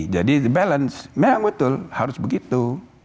jadi balance memang betul harus begitu